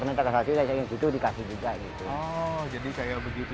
minta ke satunya itu dikasih juga